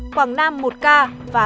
quảng nam một ca